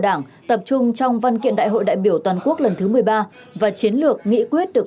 đảng tập trung trong văn kiện đại hội đại biểu toàn quốc lần thứ một mươi ba và chiến lược nghị quyết được